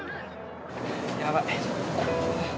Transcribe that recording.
やばい。